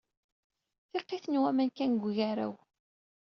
D tiqit n waman kan deg ugaraw.